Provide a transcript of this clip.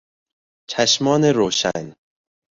چشمان روشن